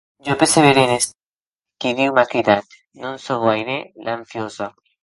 Jo perseverarè en estat que Diu m’a cridat; non sò guaire lanfiosa.